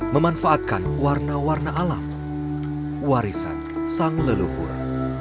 memanfaatkan warna warna alam warisan sang leluhur